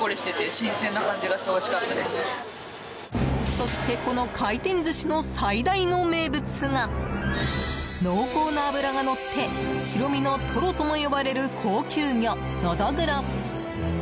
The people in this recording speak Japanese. そしてこの回転寿司の最大の名物が濃厚な脂がのって白身のトロとも呼ばれる高級魚のどぐろ。